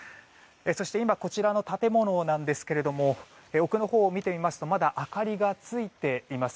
そして今、こちらの建物ですが奥のほうを見てみますとまだ明かりがついています。